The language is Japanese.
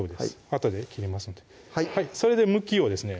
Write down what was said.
あとで切りますのでそれで向きをですね